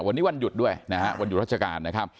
วันนี้วันหยุดด้วยนะฮะวันหยุดราชการนะครับ